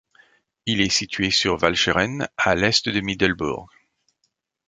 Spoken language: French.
Il est situé sur Walcheren, à l'est de Middelbourg.